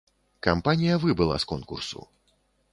Кампанія выбыла з конкурсу.